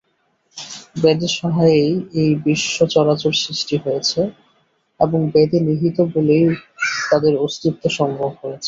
বেদসহায়েই এই বিশ্ব-চরাচর সৃষ্ট হয়েছে এবং বেদে নিহিত বলেই তাদের অস্তিত্ব সম্ভব হয়েছে।